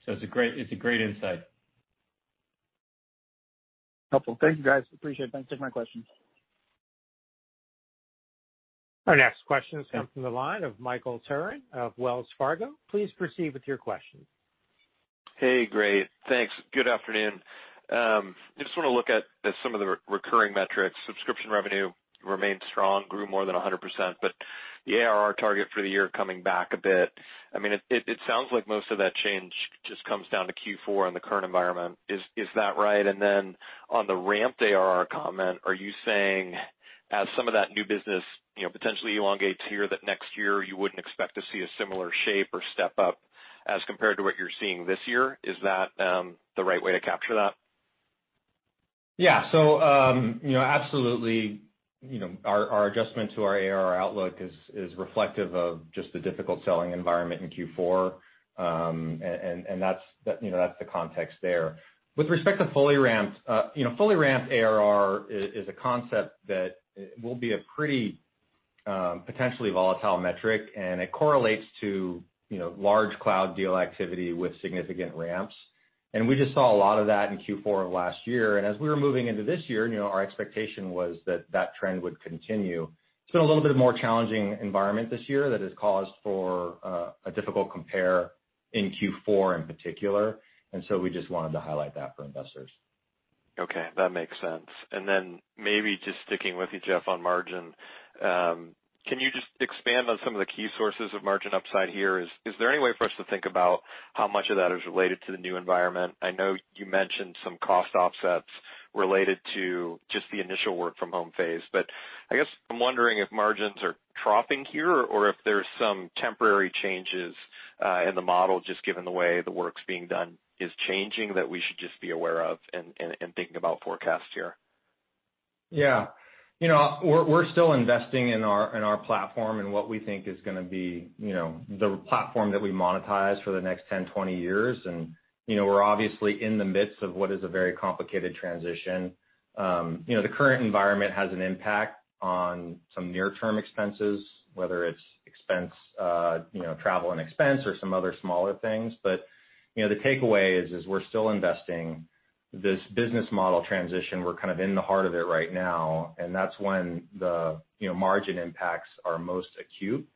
It's a great insight. Helpful. Thank you, guys. Appreciate it. Thanks for taking my questions. Our next question has come from the line of Michael Turrin of Wells Fargo. Please proceed with your question. Hey, great. Thanks. Good afternoon. I just want to look at some of the recurring metrics. Subscription revenue remained strong, grew more than 100%, but the ARR target for the year coming back a bit. It sounds like most of that change just comes down to Q4 and the current environment. Is that right? On the ramped ARR comment, are you saying as some of that new business potentially elongates here, that next year you wouldn't expect to see a similar shape or step up as compared to what you're seeing this year? Is that the right way to capture that? Yeah. Absolutely, our adjustment to our ARR outlook is reflective of just the difficult selling environment in Q4, and that's the context there. With respect to fully ramped, fully ramped ARR is a concept that will be a pretty potentially volatile metric, and it correlates to large cloud deal activity with significant ramps. We just saw a lot of that in Q4 of last year. As we were moving into this year, our expectation was that that trend would continue. It's been a little bit more challenging environment this year that has caused for a difficult compare in Q4 in particular. We just wanted to highlight that for investors. Okay, that makes sense. Then maybe just sticking with you, Jeff, on margin. Can you just expand on some of the key sources of margin upside here? Is there any way for us to think about how much of that is related to the new environment? I know you mentioned some cost offsets related to just the initial work from home phase, I guess I'm wondering if margins are dropping here or if there's some temporary changes in the model just given the way the work's being done is changing that we should just be aware of in thinking about forecast here. Yeah. We're still investing in our platform and what we think is going to be the platform that we monetize for the next 10, 20 years. We're obviously in the midst of what is a very complicated transition. The current environment has an impact on some near-term expenses, whether it's travel and expense or some other smaller things. The takeaway is we're still investing. This business model transition, we're in the heart of it right now, and that's when the margin impacts are most acute.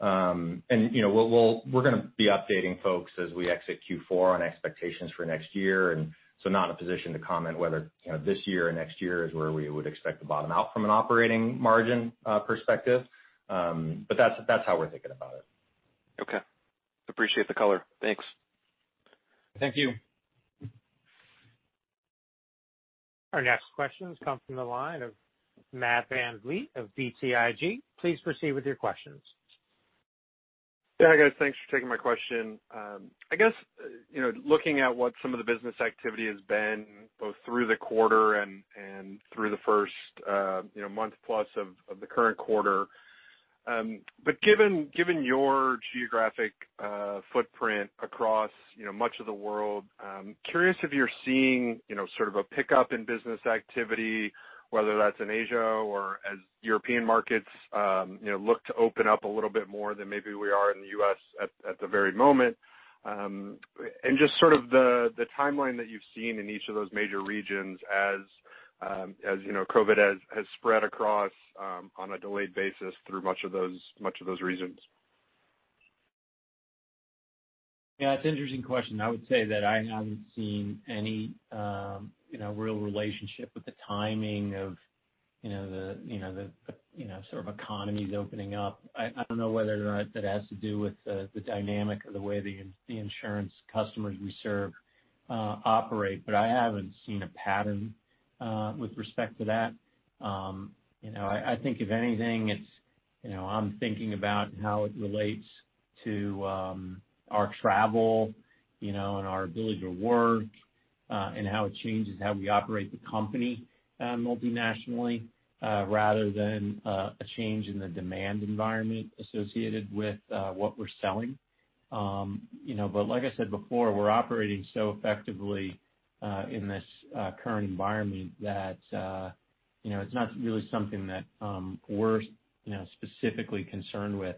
We're going to be updating folks as we exit Q4 on expectations for next year, not in a position to comment whether this year or next year is where we would expect to bottom out from an operating margin perspective. That's how we're thinking about it. Okay. Appreciate the color. Thanks. Thank you. Our next questions come from the line of Matt VanVliet of BTIG. Please proceed with your questions. Yeah, guys, thanks for taking my question. I guess, looking at what some of the business activity has been, both through the quarter and through the first month plus of the current quarter. Given your geographic footprint across much of the world, I'm curious if you're seeing a pickup in business activity, whether that's in Asia or as European markets look to open up a little bit more than maybe we are in the U.S. at the very moment. Just the timeline that you've seen in each of those major regions as COVID has spread across on a delayed basis through much of those regions. Yeah, it's an interesting question. I would say that I haven't seen any real relationship with the timing of the economies opening up. I don't know whether or not that has to do with the dynamic of the way the insurance customers we serve operate, but I haven't seen a pattern with respect to that. I think if anything, I'm thinking about how it relates to our travel and our ability to work and how it changes how we operate the company multinationally rather than a change in the demand environment associated with what we're selling. Like I said before, we're operating so effectively in this current environment that it's not really something that we're specifically concerned with.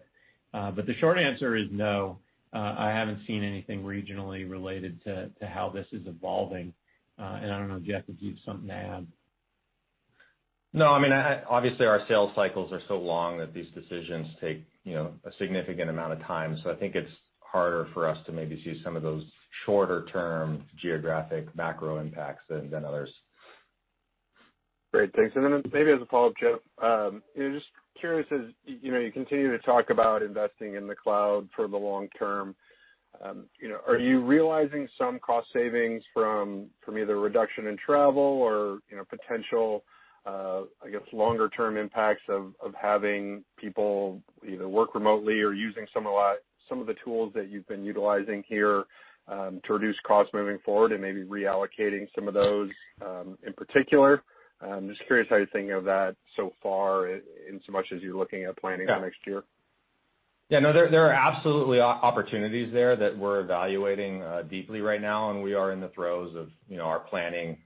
The short answer is no. I haven't seen anything regionally related to how this is evolving. I don't know, Jeff, if you have something to add. No, obviously our sales cycles are so long that these decisions take a significant amount of time. I think it's harder for us to maybe see some of those shorter-term geographic macro impacts than others. Great. Thanks. Maybe as a follow-up, Jeff, just curious as you continue to talk about investing in the cloud for the long term, are you realizing some cost savings from either reduction in travel or potential, I guess, longer-term impacts of having people either work remotely or using some of the tools that you've been utilizing here to reduce costs moving forward and maybe reallocating some of those in particular? I'm just curious how you're thinking of that so far, inasmuch as you're looking at planning for next year. Yeah, no, there are absolutely opportunities there that we're evaluating deeply right now, and we are in the throes of our planning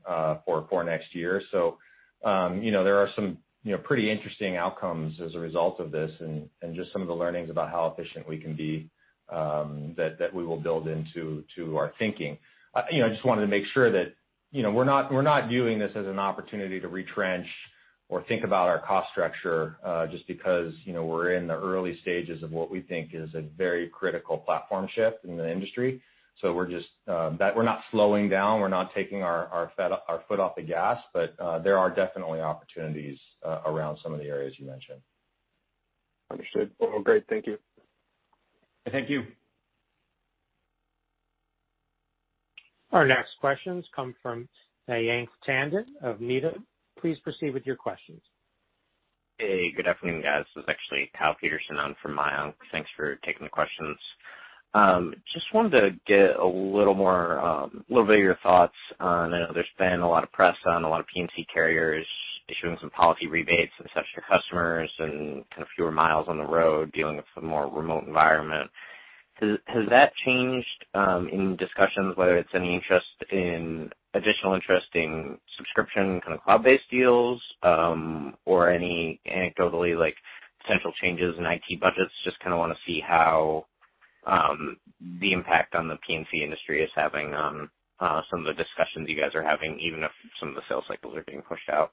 for next year. There are some pretty interesting outcomes as a result of this and just some of the learnings about how efficient we can be that we will build into our thinking. I just wanted to make sure that we're not viewing this as an opportunity to retrench or think about our cost structure just because we're in the early stages of what we think is a very critical platform shift in the industry. We're not slowing down. We're not taking our foot off the gas. There are definitely opportunities around some of the areas you mentioned. Understood. Well, great. Thank you. Thank you. Our next questions come from Mayank Tandon of Needham. Please proceed with your questions. Hey, good afternoon, guys. This is actually Kyle Peterson. I'm from Mayank. Thanks for taking the questions. Just wanted to get a little bit of your thoughts on, I know there's been a lot of press on a lot of P&C carriers issuing some policy rebates, et cetera, to customers and kind of fewer miles on the road dealing with a more remote environment. Has that changed any discussions, whether it's any additional interest in subscription, kind of cloud-based deals, or any anecdotally, potential changes in IT budgets? Just kind of want to see how the impact on the P&C industry is having some of the discussions you guys are having, even if some of the sales cycles are being pushed out.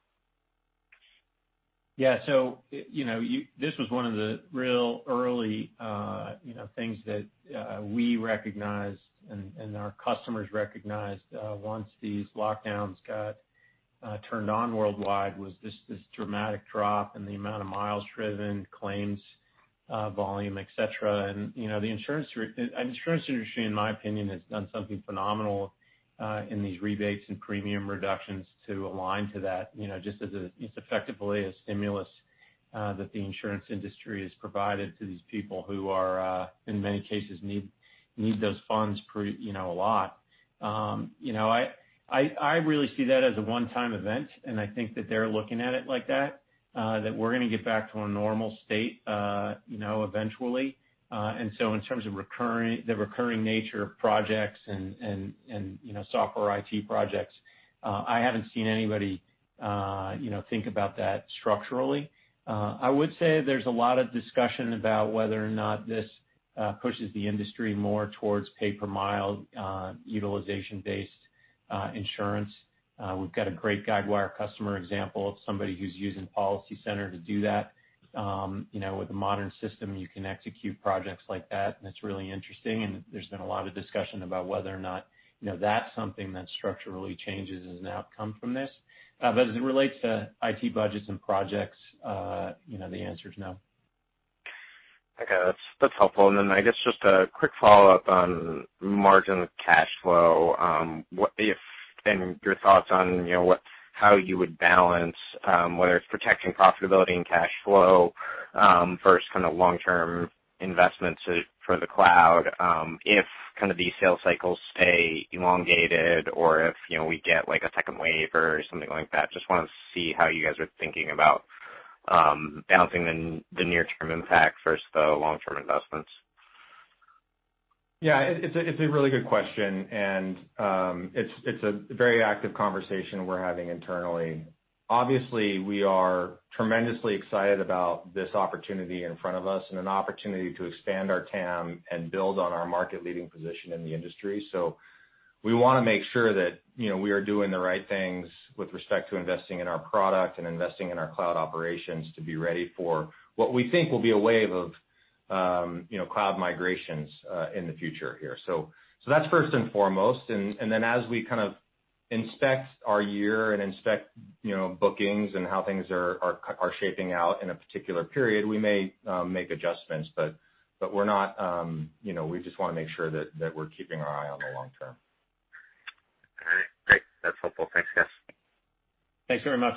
Yeah. This was one of the real early things that we recognized and our customers recognized once these lockdowns got turned on worldwide, was this dramatic drop in the amount of miles driven, claims volume, et cetera. The insurance industry, in my opinion, has done something phenomenal in these rebates and premium reductions to align to that just as effectively a stimulus that the insurance industry has provided to these people who are, in many cases, need those funds a lot. I really see that as a one-time event, and I think that they're looking at it like that we're going to get back to a normal state eventually. In terms of the recurring nature of projects and software IT projects, I haven't seen anybody think about that structurally. I would say there's a lot of discussion about whether or not this pushes the industry more towards pay-per-mile, utilization-based insurance. We've got a great Guidewire customer example of somebody who's using PolicyCenter to do that. With a modern system, you can execute projects like that, and it's really interesting, and there's been a lot of discussion about whether or not that's something that structurally changes as an outcome from this. As it relates to IT budgets and projects, the answer is no. Okay. That's helpful. I guess just a quick follow-up on margin cash flow. Your thoughts on how you would balance whether it's protecting profitability and cash flow versus long-term investments for the cloud if these sales cycles stay elongated or if we get a second wave or something like that. Just want to see how you guys are thinking about balancing the near-term impact versus the long-term investments. Yeah. It's a really good question, and it's a very active conversation we're having internally. Obviously, we are tremendously excited about this opportunity in front of us and an opportunity to expand our TAM and build on our market leading position in the industry. We want to make sure that we are doing the right things with respect to investing in our product and investing in our cloud operations to be ready for what we think will be a wave of cloud migrations in the future here. That's first and foremost. Then as we kind of inspect our year and inspect bookings and how things are shaping out in a particular period, we may make adjustments, but we just want to make sure that we're keeping our eye on the long term. All right. Great. That's helpful. Thanks, guys. Thanks very much.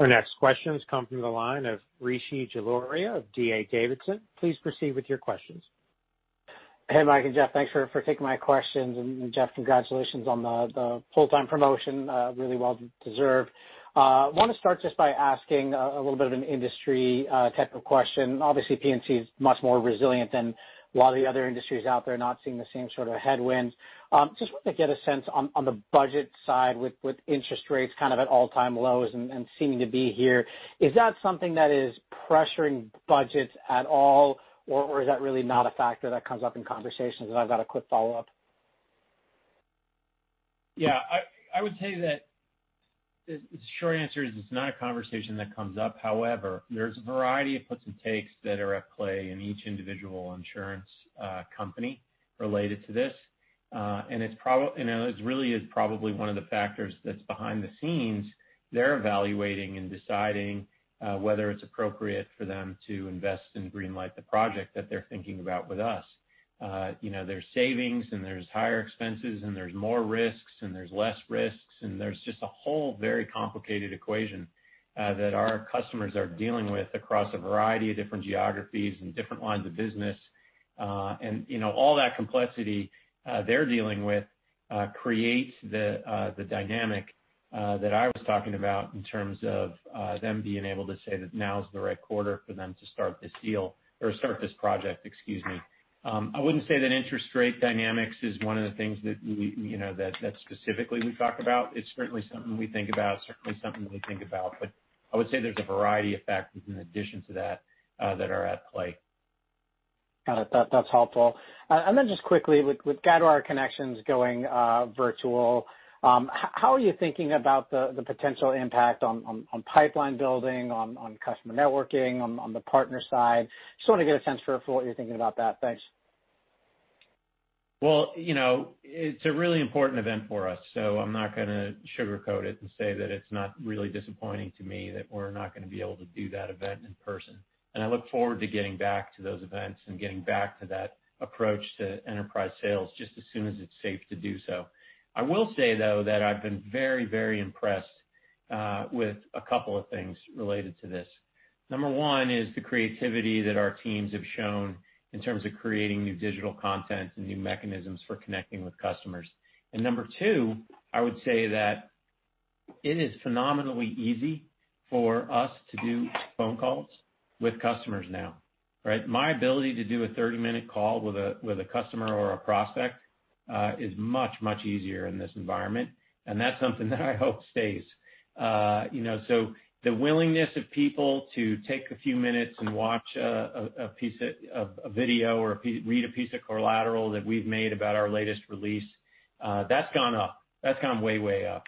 Our next questions come from the line of Rishi Jaluria of D.A. Davidson. Please proceed with your questions. Hey, Mike and Jeff, thanks for taking my questions. Jeff, congratulations on the full-time promotion. Really well deserved. Want to start just by asking a little bit of an industry type of question. Obviously, P&C is much more resilient than a lot of the other industries out there, not seeing the same sort of headwinds. Just wanted to get a sense on the budget side with interest rates kind of at all-time lows and seeming to be here, is that something that is pressuring budgets at all, or is that really not a factor that comes up in conversations? I've got a quick follow-up. Yeah. I would say that the short answer is it's not a conversation that comes up. However, there's a variety of puts and takes that are at play in each individual insurance company related to this. It really is probably one of the factors that's behind the scenes they're evaluating and deciding whether it's appropriate for them to invest and green light the project that they're thinking about with us. There's savings and there's higher expenses and there's more risks and there's less risks, and there's just a whole very complicated equation that our customers are dealing with across a variety of different geographies and different lines of business. All that complexity they're dealing with creates the dynamic that I was talking about in terms of them being able to say that now is the right quarter for them to start this deal or start this project, excuse me. I wouldn't say that interest rate dynamics is one of the things that specifically we talk about. It's certainly something we think about, but I would say there's a variety of factors in addition to that that are at play. Got it. That's helpful. Then just quickly, with Guidewire Connections going virtual, how are you thinking about the potential impact on pipeline building, on customer networking, on the partner side? Just want to get a sense for what you're thinking about that. Thanks. It's a really important event for us, so I'm not going to sugarcoat it and say that it's not really disappointing to me that we're not going to be able to do that event in person. I look forward to getting back to those events and getting back to that approach to enterprise sales just as soon as it's safe to do so. I will say, though, that I've been very impressed with a couple of things related to this. Number one is the creativity that our teams have shown in terms of creating new digital content and new mechanisms for connecting with customers. Number two, I would say that it is phenomenally easy for us to do phone calls with customers now, right? My ability to do a 30-minute call with a customer or a prospect is much, much easier in this environment, that's something that I hope stays. The willingness of people to take a few minutes and watch a video or read a piece of collateral that we've made about our latest release, that's gone up. That's gone way up.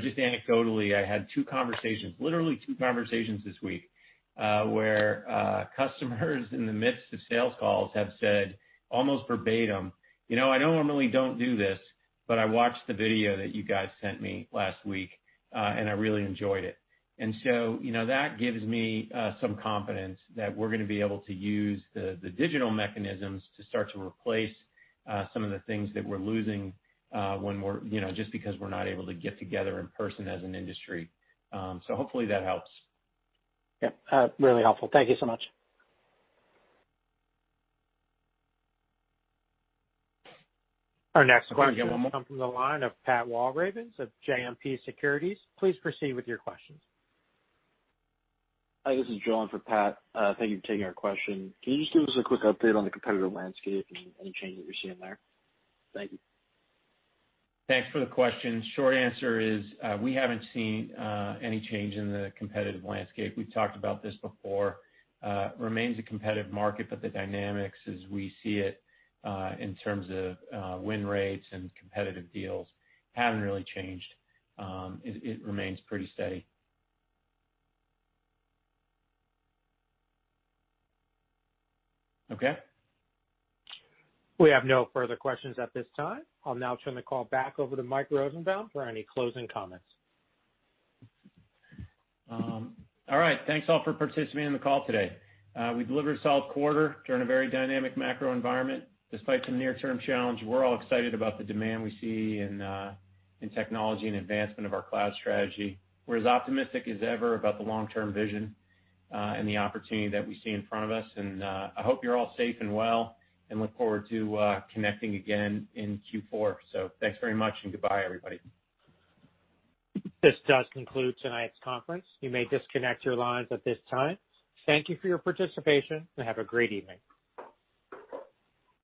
Just anecdotally, I had two conversations, literally two conversations this week, where customers in the midst of sales calls have said, almost verbatim, I normally don't do this, but I watched the video that you guys sent me last week, and I really enjoyed it. That gives me some confidence that we're going to be able to use the digital mechanisms to start to replace some of the things that we're losing just because we're not able to get together in person as an industry. Hopefully that helps. Yep. Really helpful. Thank you so much. Our next question will come from the line of Pat Walravens of JMP Securities. Please proceed with your questions. Hi, this is John for Pat. Thank you for taking our question. Can you just give us a quick update on the competitive landscape and any change that you're seeing there? Thank you. Thanks for the question. Short answer is, we haven't seen any change in the competitive landscape. We've talked about this before. Remains a competitive market, but the dynamics as we see it, in terms of win rates and competitive deals, haven't really changed. It remains pretty steady. Okay. We have no further questions at this time. I'll now turn the call back over to Mike Rosenbaum for any closing comments. All right. Thanks all for participating in the call today. We delivered a solid quarter during a very dynamic macro environment. Despite some near-term challenge, we're all excited about the demand we see in technology and advancement of our cloud strategy. We're as optimistic as ever about the long-term vision, and the opportunity that we see in front of us. I hope you're all safe and well, and look forward to connecting again in Q4. Thanks very much and goodbye, everybody. This does conclude tonight's conference. You may disconnect your lines at this time. Thank you for your participation, and have a great evening.